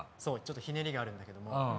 そうちょっとひねりがあるんだけども。